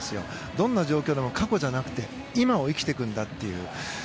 どんな状況でも過去じゃなくて今を生きていくんだという。